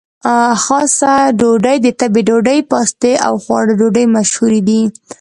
خاصه ډوډۍ، د تبۍ ډوډۍ، پاستي او غوړه ډوډۍ مشهورې دي.